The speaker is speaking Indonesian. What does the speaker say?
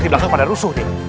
di belakang pada rusuh nih